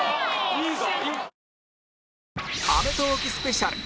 いいぞ！